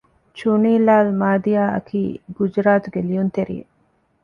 ޗުނީ ލާލް މާދިއާ އަކީ ގުޖުރާތުގެ ލިޔުންތެރިއެއް